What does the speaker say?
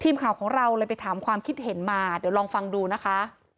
ทีมข่าวของเราเลยไปถามความคิดเห็นมาเดี๋ยวลองฟังดูนะคะ